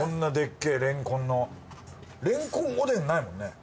レンコンおでんないもんね？